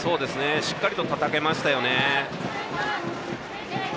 しっかりとたたけましたよね。